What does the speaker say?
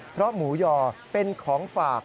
เพราะหมูยอเป็นของฝาก